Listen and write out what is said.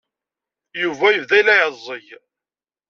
Yuba yebda la iɛeẓẓeg.